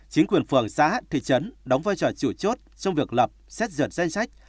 chính quyền phường xã thị trấn đóng vai trò chủ chốt trong việc lập xét duyệt danh sách